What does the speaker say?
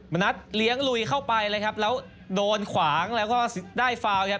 มณัฐเลี้ยงลุยเข้าไปเลยครับแล้วโดนขวางแล้วก็ได้ฟาวครับ